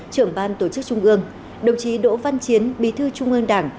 trưởng ban tổ chức trung ương đồng chí đỗ văn chiến bí thư trung ương đảng